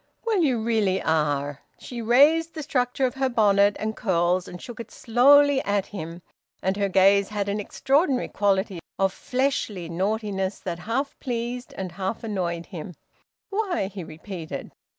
"Well, you really are!" She raised the structure of her bonnet and curls, and shook it slowly at him. And her gaze had an extraordinary quality of fleshly naughtiness that half pleased and half annoyed him. "Why?" he repeated.